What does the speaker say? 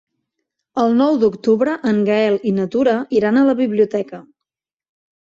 El nou d'octubre en Gaël i na Tura iran a la biblioteca.